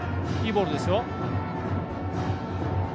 いいボールですよ。